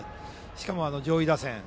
しかも上位打線。